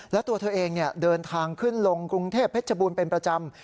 แล้วตัวเธอเองเดินทางขึ้นลงกรุงเทพเพชรบูรณ์เป็นประจำ